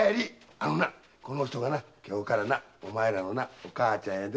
あのなこの人が今日からお前らのお母ちゃんや。